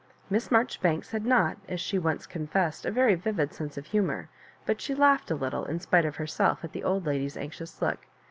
Miss Marjoribanks bad not, as she once con fessed, a very vivid sense of humour, but she laughed a little, in spite of herself at the old lady^s anxious look.